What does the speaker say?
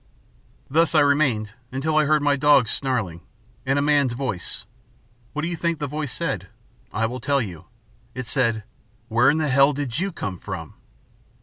"Thus I remained, until I heard my dogs snarling, and a man's voice. What do you think the voice said? I will tell you. It said: '_Where in hell did you come from??